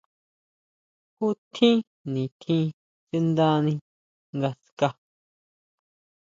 ¿Ju tjín nitjín sʼendani ngaská?